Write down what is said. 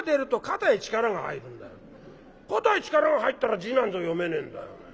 肩に力が入ったら字なんぞ読めねえんだよ」。